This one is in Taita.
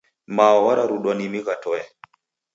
Mao wararudwa ni migha toe.